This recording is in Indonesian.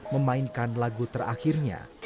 memainkan lagu terakhirnya